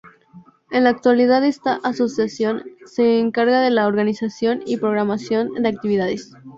En la actualidad esta Asociación se encarga de la organización y programación de actividades.